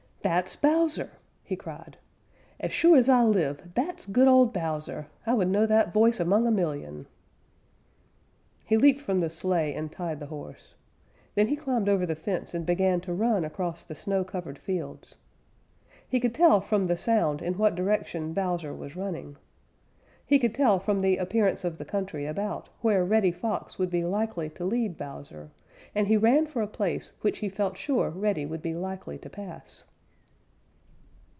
"That's Bowser!" he cried. "As sure as I live that's good old Bowser! I would know that voice among a million!" He leaped from the sleigh and tied the horse. Then he climbed over the fence and began to run across the snow covered fields. He could tell from the sound in what direction Bowser was running. He could tell from the appearance of the country about where Reddy Fox would be likely to lead Bowser, and he ran for a place which he felt sure Reddy would be likely to pass.